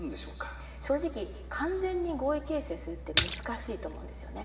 正直完全に合意形成するって難しいと思うんですよね。